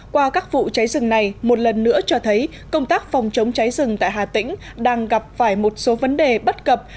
qua các vụ cháy rừng này một lần nữa cho thấy công tác phòng chống cháy rừng tại hà tĩnh đang gặp phải một số vấn đề bất cập